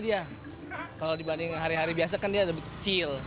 iya kalau dibanding hari hari biasa kan dia lebih kecil